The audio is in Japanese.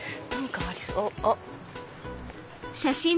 あっ。